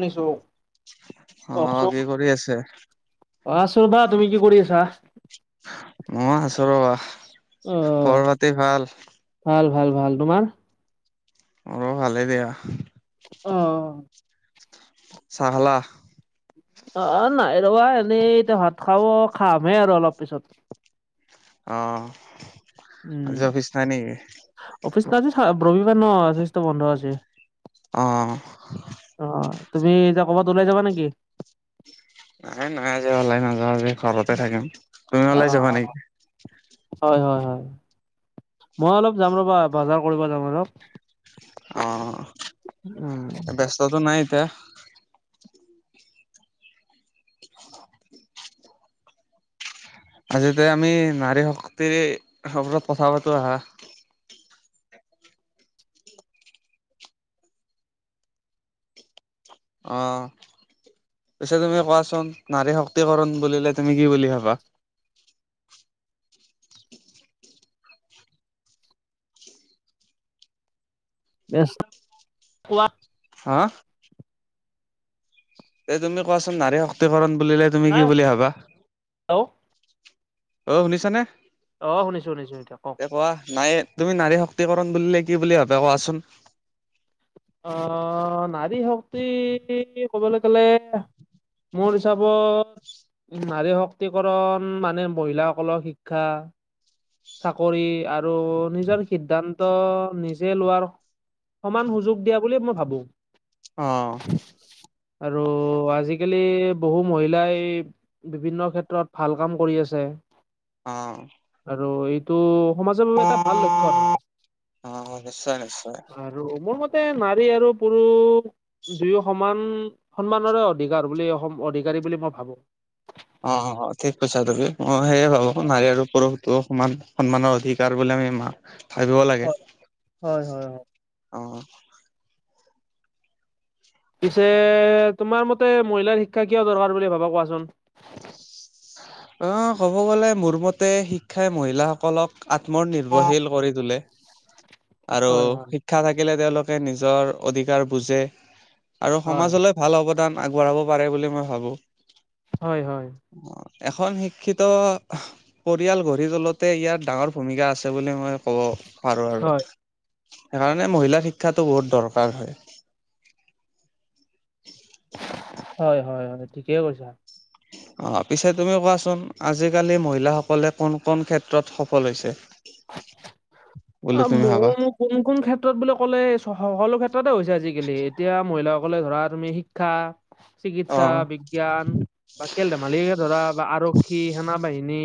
ঊনৈশ অ কি কৰি আছে কওকচোন আছোঁ ৰবা তুমি কি কৰি আছা মই আছোঁ ৰবা অ খবৰ পাতি ভাল ভাল ভাল ভাল তোমাৰ মোৰো ভালে দিয়া অ চাহ খালা অ নাই ৰবা এনেই এতিয়া ভাত খাব খামহে আৰু অলপ পিছত অ উম আজি অফিচ নাই নেকি অফিচ ন আজি ৰবিবাৰ ন অফিচটো বন্ধ আছে অঁ অঁ অঁ অ তুমি এতিয়া ক'ৰবাত ওলাই যাবা নেকি নাই নাই যোৱা ওলাই নাযাও আজি ঘৰতে থাকিম তুমি অ ওলাই যাবা অ নেকি হয় হয় হয় মই অলপ যাম ৰ'বা বজাৰ কৰিব যাম অলপ অ উম ব্যস্তটো নাই এতিয়া আজিতে আমি নাৰী শক্তিৰ ওপৰত কথা পাতো আহা অ পিছে তুমি কোৱাচোন নাৰী শক্তিকৰণ বুলিলে তুমি কি বুলি ভাবা ডেছ কোৱা হা এই তুমি কোৱাচোন নাৰী শক্তিকৰণ বুলিলে তুমি কি নাই বুলি ভাবা হেল্ল' অ শুনিছানে অ শুনিছো শুনিছো এতিয়া কওক। এ কোৱা নাই তুমি নাৰী শক্তিকৰণ বুলিলে কি বুলি ভাবে কোৱাচোন অ নাৰী শক্তি ক'বলে গ'লে মোৰ হিচাপত নাৰী শক্তিকৰণ মানে মহিলাসকলৰ শিক্ষা চাকৰি আৰু নিজৰ সিদ্ধান্ত ত নিজে লোৱাৰ সমান সুযোগ দিয়া বুলিয়ে মই ভাবো অ আৰু আজিকালি বহু মহিলাই বিভিন্ন ক্ষেত্ৰত ভাল কাম কৰি আছে অ আৰু এইটো সমাজৰ বাবে এটা ভাল লক্ষ্য অ নিশ্চয় নিশ্চয় আৰু মোৰ মতে নাৰী আৰু পুৰুষ দুয়ো সমান সন্মানৰে অধিকাৰ বুলি অসম অধিকাৰী বুলি মই ভাবো অ অ অ ঠিক কৈছা তুমি অ সেয়ে ভাবো নাৰী আৰু পুৰুষতো সমান সন্মানৰ অধিক ভাবিব লাগে হয় হয় হয় হয় অ পিছে তোমাৰ মতে মহিলাৰ শিক্ষা কিয় দৰকাৰ বুলি ভাবা কোৱাচোন অ ক'ব গলে মোৰ মতে শিক্ষাই মহিলাসকলক আত্মনিৰ্ভৰশীল কৰি তোলে আৰু হয় হয় শিক্ষা থাকিলে তেওঁলোকে নিজৰ অধিকাৰ বুজে আৰু হয় সমাজলৈ ভাল অৱদান আগবঢ়াব পাৰে বুলি মই ভাবোঁ হয় হয় অ এখন শিক্ষিত পৰিয়াল গঢ়ি তোলোতে ইয়াৰ ডাঙৰ ভূমিকা আছে বুলি মই কব পাৰো আৰু সেইকাৰণে মহিলাৰ শিক্ষাটো বহুত দৰকাৰ হয় হয় হয় ঠিকেই কৈছা [inaudible] অ পিছে তুমি কোৱাচোন আজিকালি মহিলাসকলে কোন কোন ক্ষেত্ৰত সফল হৈছে [inaudible] অ ভাবা? মোৰ কোন কোন ক্ষেত্ৰত বুলি ক'লে সকলো ক্ষেত্ৰতে হৈছে আজিকালি এতিয়া মহিলাসকলে ধৰা তুমি শিক্ষা চিকিৎসা অ' জ্ঞান বা খেল ধেমালি ধৰা বা আৰক্ষী সেনা বাহিনী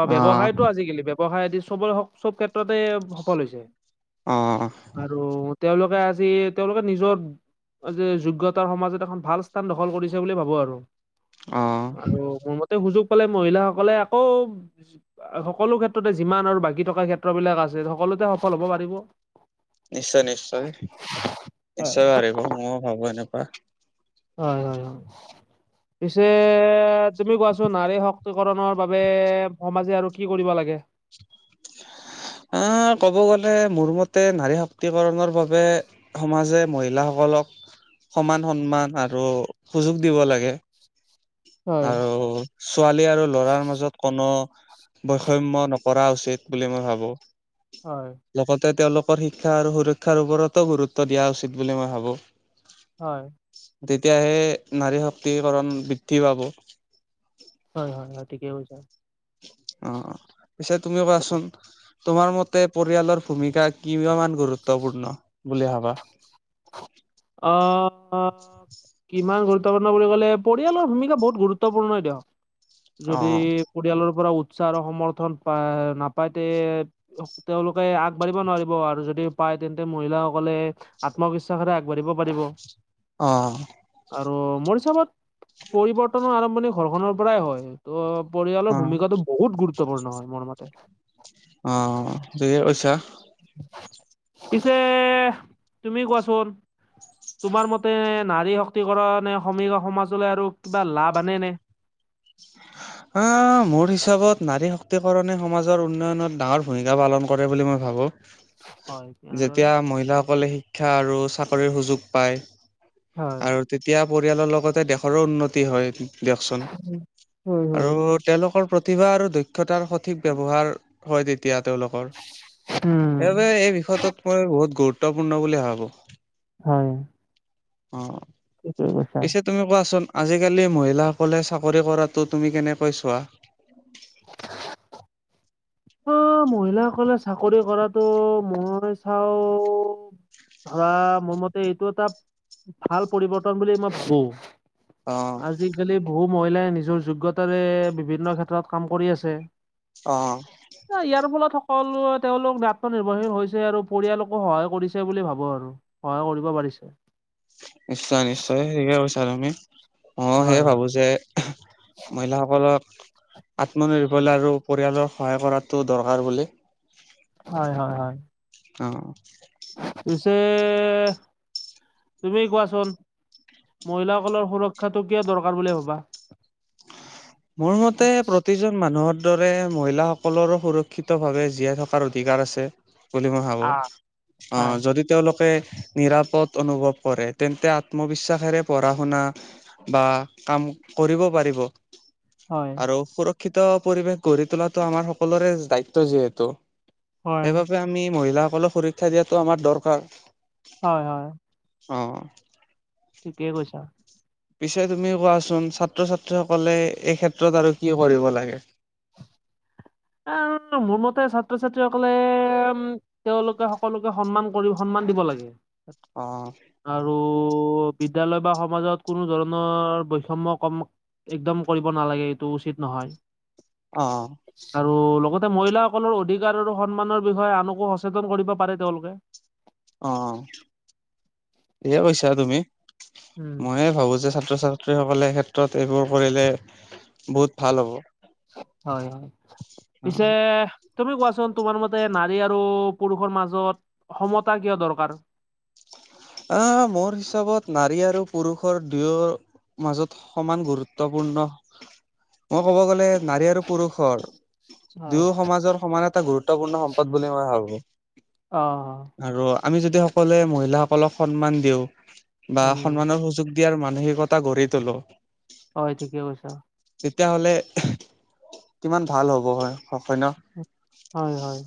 বা অ' ব্যৱসায়টো আজিকালি ব্যৱসায় আদি চবৰে চব ক্ষেত্ৰতে সফল হৈছে অ' আৰু তেওঁলোকে আজি তেওঁলোকে নিজৰ যে যোগ্যতাৰ সমাজত এখন ভাল স্থান দখল কৰিছে বুলি ভাবো আৰু অ' আৰু মোৰ মতে সুযোগ পালে মহিলাসকলে আকৌ সকলো ক্ষেত্ৰতে যিমান আৰু বাকী থকা ক্ষেত্ৰ বিলাক আছে সকলোতে সফল হ'ব পাৰিব নিশ্চয় নিশ্চয় হয় নিশ্চয় পাৰিব ময়ো ভাবো এনেকুৱা হয় হয় হয় পিছে তুমি কোৱাছোন নাৰী শক শক্তি কৰণৰ বাবে সমাজে আৰু কি কৰিব লাগে আহ ক'ব গ'লে মোৰ মতে নাৰী শক্তিকৰণৰ বাবে সমাজে মহিলাসকলক সমান সন্মান আৰু সুযোগ দিব লাগে হয় আৰু ছোৱালী আৰু লৰাৰ মাজত কোনো বৈষম্য নকৰা উচিত বুলি মই ভাবো হয় লগতে তেওঁলোকৰ শিক্ষা আৰু সুৰক্ষাৰ ওপৰতো গুৰুত্ব দিয়া উচিত বুলি মই ভাবো হয় তেতিয়াহে নাৰী শক্তিকৰণ বৃদ্ধি পাব হয় হয় হয় ঠিকে কৈছা অ পিছে তুমি কোৱাচোন তোমাৰ মতে পৰিয়ালৰ ভূমিকা কিয় ইমান গুৰুত্বপূৰ্ণ বুলি ভাবা অ কিমান গুৰুত্বপূৰ্ণ বুলি ক'লে পৰিয়ালৰ ভূমিকা বহুত গুৰুত্বপূৰ্ণই দিয়ক অ যদি পৰিয়ালৰ পৰা উৎসাহ আৰু সমৰ্থন পা নাপাইতে তেওঁলোকে আগবাঢ়িব নোৱাৰিব আৰু যদি পায় তেন্তে মহিলাসকলে আত্মবিশ্বাসৰে আগবাঢ়িব পাৰিব অ আৰু মোৰ হিচাপত পৰিৱৰ্তনৰ আৰম্ভণি ঘৰখনৰ পৰাই হয় ত' পৰিয়ালৰ অ ভূমিকাটো বহুত গুৰুত্বপূৰ্ণ হয় মোৰ মতে অ ঠিকে কৈছা পিছে তুমি কোৱাচোন তোমাৰ মতে নাৰী শক্তিকৰণে সমী সমাজলে আৰু কিবা লাভ আনে নে আহ মোৰ হিচাপত নাৰী শক্তিকৰণে সমাজৰ উন্নয়নত ডাঙৰ ভূমিকা পালন কৰে বুলি মই ভাবো হয় এনেদৰে যেতিয়া মহিলাসকলে শিক্ষা আৰু চাক চাকৰি সুযোগ পায় হয় আৰু তেতিয়া পৰিয়ালৰ লগতে দেশৰো উন্নতি হয় দিয়কচোন উম হুম হুম আৰু তেওঁলোকৰ প্ৰতিভা আৰু দক্ষতাৰ সঠিক ব্যৱহাৰ হয় এতিয়া তেওঁলোকৰ উম সেইবাবে এই বিষয়টোত মই বহুত গুৰুত্বপূৰ্ণ বুলি ভাবো। হয়। অ ঠিকেই কৈছা পিছে। তুমি কোৱাচোন আজিকালি মহিলাসকলে চাকৰি কৰাটো তুমি কেনেকৈ চোৱা। [unintelligible] অ মহিলাসকলে চাকৰি কৰাটো মই চাও ধৰা মোৰ মতে এইটো এটা ভাল পৰিৱৰ্তন বুলি মই ভাবো। অ আজিকালি বহু মহিলাই নিজৰ যোগ্যতাৰে বিভিন্ন ক্ষেত্ৰত কাম কৰি আছে। অ। ন ইয়াৰ ফলত সকলোৱে তেওঁলোক আত্মনিৰ্ভৰশীল হৈছে আৰু পৰিয়ালকো সহায় কৰিছে বুলি ভাবো আৰু। সহায় কৰিব পাৰিছে। নিশ্চয় নিশ্চয় থিকে কৈছা তুমি। ময়ো হয় সেয়ে হয় ভাবো যে মহিলাসক আত্মনিৰ্ভৰশীল আৰু পৰিয়ালক সহায় কৰাটো দৰকাৰ বুলি। হয় হয় হয়। অ। পিছে তুমি কোৱাচোন? মহিলাসকলৰ সুৰক্ষাটো কিয় দৰকাৰ বুলি ভবা? মোৰ মতে প্ৰতিজন মানুহত দৰে মহিলাসকলৰো সুৰক্ষিতভাৱে জীয়াই থকাৰ অধিকাৰ আছে। বুলি মই ভাবো আহ হয় অ যদি তেওঁলোকে নিৰাপদ অনুভৱ কৰে তেন্তে আত্মবিশ্বাসেৰে পঢ়া শুনা বা কাম কৰিব পাৰিব। হয় আৰু সুৰক্ষিত পৰিৱেশ গঢ়ি তোলাটো আমাৰ সকলোৰে দায়িত্ব যিহেতু হয় সেইবাবে আমি মহিলাসকলক সুৰক্ষা দিয়াটো আমাৰ দৰকাৰ। হয় হয়। অ। ঠিকেই কৈছা। পিছে তুমি কোৱাচোন ছাত্ৰ ছাত্ৰী সকলে এই ক্ষেত্ৰত আৰু কি কৰিব লাগে? আহ মোৰ মতে ছাত্ৰ ছাত্ৰীসকলে উম তেওঁলোকে সকলোকে সন্মান কৰি সন্মান দিব লাগে অঁ। আৰু বিদ্যালয় বা সমাজত কোনো ধৰণৰ বৈষম্য কম একদম কৰিব নালাগে এইটো উচিত নহয়। অঁ। আৰু লগতে মহিলাসকলৰ অধিকাৰ আৰু সন্মানৰ বিষয়ে আনকো সচেতন কৰিব পাৰে তেওঁলোকে। অঁ ঠিকে কৈছা তুমি উম ময়ে ভাবো যে ছাত্ৰ ছাত্ৰী। ছাত্ৰীসকলে ক্ষেত্ৰত এইবোৰ কৰিলে বহুত ভাল হ'ব। হয় হয় পিছে। তুমি কোৱাচোন তোমাৰ মতে নাৰী আৰু পুৰুষৰ মাজত সমতা কিয় দৰকাৰ? আহ মোৰ হিচাপত নাৰী আৰু পুৰুষৰ দুয়ো মাজত সমান গুৰুত্বপূৰ্ণ মই ক'ব গ'লে নাৰী আৰু পুৰুষৰ হয় দুয়ো সমাজৰ সমান এটা গুৰুত্বপূৰ্ণ সম্পদ বুলি মই ভাবো। অঁ। আৰু আমি যদি সকলোৱে মহিলাসকলক সন্মান দিওঁ বা উম সন্মানৰ সুযোগ এতিয়াৰ মানসিকতা গঢ়ি তোলোঁ। হয়, ঠিকে কৈছা! তেতিয়াহ'লে, কিমান ভাল হ'ব হয়, হ হয় ন'! হয়, হয়!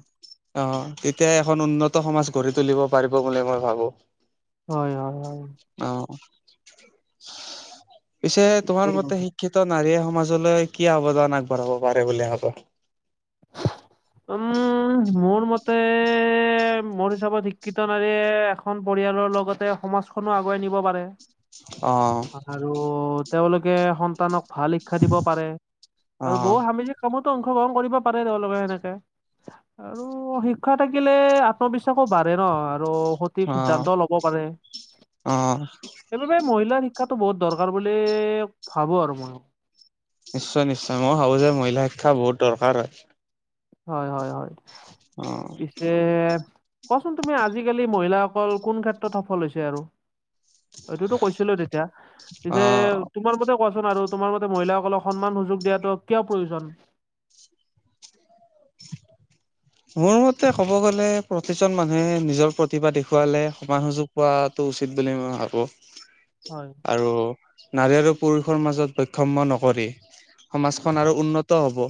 অ'! তেতিয়া এখন, উন্নত সমাজ গঢ়ি তুলিব পাৰিব, বুলি মই ভাবোঁ! হয়, হয়, হয়! অ'! পিছে তোমাৰ ঠিকেই কৈছা মতে, শিক্ষিত ত নাৰীয়ে, সমাজলৈ কি অৱদান আগবঢ়াব পাৰে, বুলি ভাবা? উম! মোৰ মতে এ, মোৰ হিচাপত শিক্ষিত নাৰীয়ে, এখন পৰিয়ালৰ লগতে, সমাজখনো আগুৱাই নিব পাৰে। অ'! আৰু তেওঁলোকে, সন্তানক ভাল শিক্ষা দিব পাৰে! অ আৰু বহু সামিজিক কামতো অংশগ্ৰহণ কৰিব পাৰে, তেওঁলোকে সেনেকে। আৰু শিক্ষা থাকিলে, আত্মবিশ্বাসো বাঢ়ে ন'! আৰু সঠিক অ সিদ্ধান্ত ল'ব পাৰে। অ সেইবাবে, মহিলাৰ শিক্ষাটো বহুত দৰকাৰ বুলি, ভাবোঁ আৰু মইয়ো। নিশ্চয়, নিশ্চয়। মইয়ো ভাবোঁ যে! মহিলা শিক্ষা বহুত দৰকাৰ হয়। হয়, হয়, হয়! অ'! পিছে, কোৱাচোন তুমি? আজিকালি মহিলাসকল কোন ক্ষেত্ৰত সফল হৈছে আৰু? এইটোতো কৈছিলোৱে তেতিয়া। অ পিছে, অ তোমাৰ মতে, কোৱাচোন আৰু? তোমাৰ মতে, মহিলাসকলক সন্মান-সুযোগ দিয়াটো কিয়, প্ৰয়োজন? [inaudible] মোৰ মতে, ক'ব গ'লে, প্ৰতিজন মানুহে নিজৰ প্ৰতিভা দেখুৱালে, সমান সুযোগ পোৱাটো উচিত বুলি মই ভাবোঁ। হয় আৰু নাৰী আৰু পুৰুষৰ মাজত বৈষম্য নকৰি, সমাজখন হয় আৰু উন্নত হ'ব।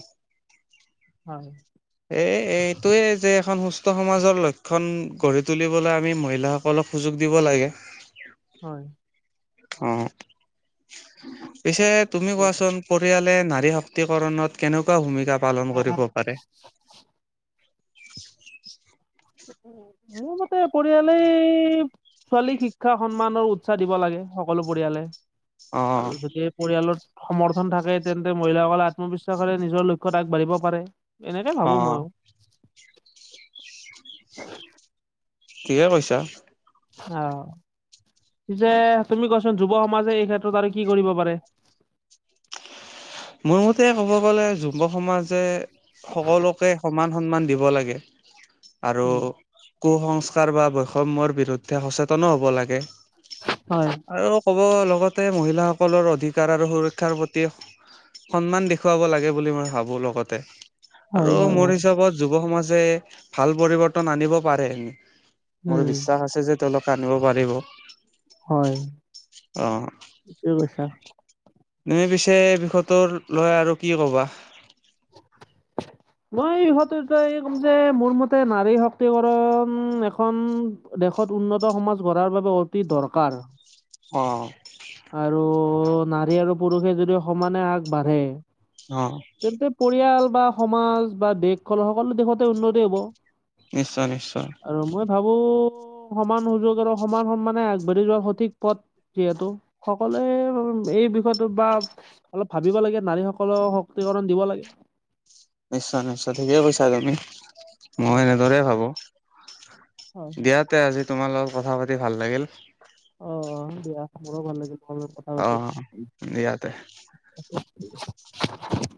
হয়! এ, এইটোৱে যে, এখন সুস্থ সমাজৰ লক্ষণ গঢ়ি তুলিবলৈ, আমি মহিলা অলপ সুযোগ দিব লাগে। হয়! অ'! পিছে তুমি কোৱাচোন? পৰিয়ালে, নাৰী শক্তিকৰণত কেনেকুৱা ভূমিকা পালন কৰিব পাৰে? মোৰ মতে, পৰিয়ালেই ছোৱালী শিক্ষা সন্মানৰ উ উচ্ছাস দিব লাগে, সকলো পৰিয়ালে। অ আৰু যদি, পৰিয়ালত সমৰ্থন থাকে, তেন্তে মহিলাসকলে আত্মবিশ্বাসৰে নিজৰ লক্ষ্যত আগবাঢ়িব পাৰে। এনেকে অ ভাবোঁ মইয়ো! ঠিকে কৈছা। অ'! পিছে, তুমি কোৱাচোন? যুৱ সমাজে এই ক্ষেত্ৰত আৰু কি কৰিব পাৰে? মোৰ মতে, ক'ব গ'লে, যুুৱ সমাজে সকলোকে সমান সন্মান দিব লাগে। আৰু উম কু-সংস্কাৰ বা বৈষম্যৰ বিৰুদ্ধে সচেতনো হ'ব লাগে। হয় আৰু ক'ব লগতে, মহিলাসকলৰ অধিকাৰ আৰু সুৰক্ষাৰ প্ৰতি সন্মান দেখুৱাব লাগে, বুলি মই ভাবোঁ লগতে! হয় আৰু হয় মোৰ হয় হিচাপত, যুৱ সমাজে, ভাল পৰিৱৰ্তন আনিব পাৰে। মোৰ উম বিশ্বাস আছে যে, তেওঁলোকে আনিব পাৰিব। হয়, অ' ঠিকেই কৈছা। তুমি পিছে এই বিষয়টো লৈ আৰু কি ক'বা? মই এই বিষয়টো এ ক'ম যে মোৰ মতে নাৰী শক্তিকৰণ এখন দেশত উন্নত সমাজ গঢ়াৰ বাবে অতি দৰকাৰ অঁ। আৰু নাৰী আৰু পুৰুষে যদি সমানে আগবাঢ়ে অঁ। তেন্তে পৰিয়াল বা সমাজ বা দেশখন সকলো দিশতে উন্নতি হ'ব। নিশ্চয় নিশ্চয়। আৰু মই ভাবো সমান সুযোগ আৰু সমান সম্মানে আগবাঢ়ি যোৱাৰ সঠিক পথ যিহেতু সকলোৱে এই বিষয়টো বা অলপ ভাবিব লাগে নাৰীসকলক শক্তিকৰণ দিব লাগে। নিশ্চয় নিশ্চয় ঠিকে কৈছা তুমি। মই হয়, এনেদৰে ভাবো। হয়, হয়। দিয়াতে আজি তোমাৰ লগত কথা পাতি ভাল লাগিল। অ' দিয়া মোৰো ভাল লাগিল তোমাৰ লগত কথা অ' দিয়া তে। পাতি। [inaudible]